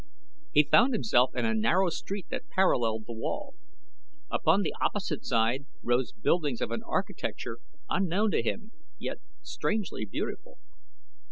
He found himself in a narrow street that paralleled the wall. Upon the opposite side rose buildings of an architecture unknown to him, yet strangely beautiful.